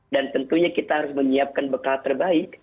dan tentunya kita harus menyiapkan bekal terbaik